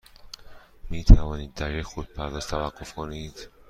می توانید در یک خودپرداز توقف کنید؟